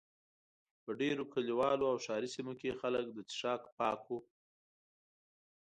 په ډېرو کلیوالو او ښاري سیمو کې خلک د څښاک پاکو.